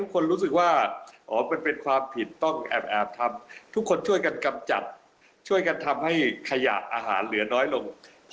ก็จะทำให้ขยะอาหารเหลือน้อยลง